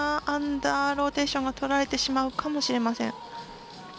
アンダーローテーションはとられてしまうかもしれません。